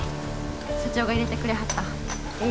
社長が入れてくれはったええ